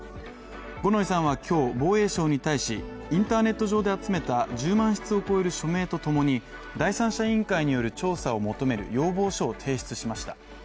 五ノ井さんは今日、裁判所に対し、インターネット上で集めた１０万筆を超える署名とともに第三者委員会による調査を求める要望書を提出しました。